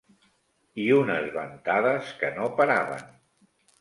...i unes ventades que no paraven